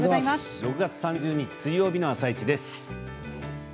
６月３０日水曜日の「あさイチ」です。